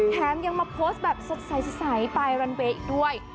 แถมยังมาโพสต์แบบสดใสปลายรันเวย์อีกด้วย